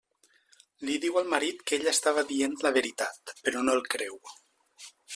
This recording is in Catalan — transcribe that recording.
Li diu al marit que ella estava dient la veritat, però no el creu.